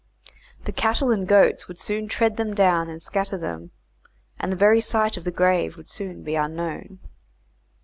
The cattle and goats would soon tread them down and scatter them, and the very site of the grave would soon be unknown.